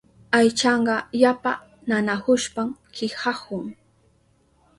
Aychanka yapa nanahushpan kihahun.